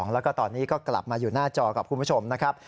แล้วก็ตอนนี้ก็กลับมาอยู่หน้าจอกับคุณผู้ชมนะครับ